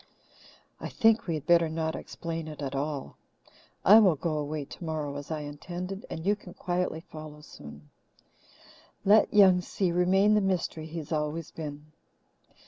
"I think we had better not explain it at all. I will go away tomorrow, as I intended, and you can quietly follow soon. Let 'Young Si' remain the mystery he has always been."